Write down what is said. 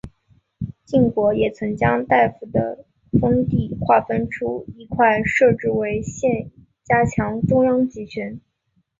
晋国也曾将大夫的封地划分出一块设置为县以加强中央集权。